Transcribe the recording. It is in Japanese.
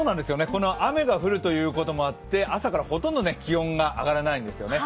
雨が降るということもあって、朝からほとんど気温が上がらないんですよね。